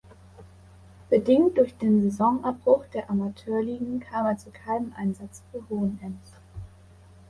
Bedingt durch den Saisonabbruch der Amateurligen kam er zu keinem Einsatz für Hohenems.